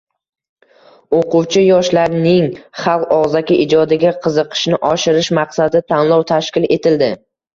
Oʻquvchi-yoshlarning xalq ogʻzaki ijodiga qiziqishini oshirish maqsadida tanlov tashkil etildi